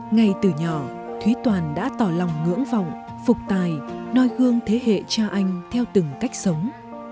ngay từ nhỏ thúy toàn đã tỏ lòng ngưỡng vọng phục tài noi gương thế hệ cha anh theo từng cách sống